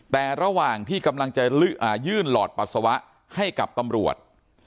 แต่ระหว่างที่กำลังจะยื่นหลอดปัสสาวะให้กับตำรวจ